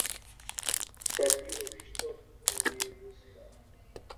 Саргьы уажәшьҭоуп данеилыскаа.